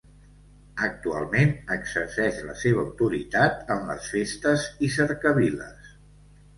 Actualment exerceix la seva autoritat en les festes i cercaviles.